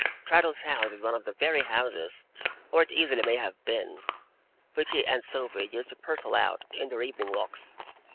Traddles's house is one of the very houses or it easily may have been which he and Sophy used to parcel out, in their evening walks.